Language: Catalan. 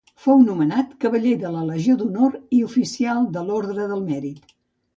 Fou nomenat cavaller de la Legió d'Honor i oficial de l'Orde del Mèrit.